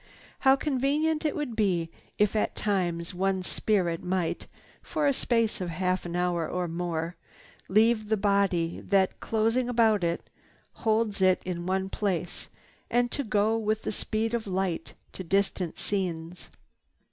How convenient it would be if at times one's spirit might, for a space of a half hour or more, leave the body that, closing about it, holds it in one place, and go with the speed of light to distant scenes.